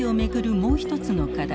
もう一つの課題